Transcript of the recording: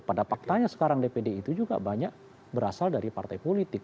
pada faktanya sekarang dpd itu juga banyak berasal dari partai politik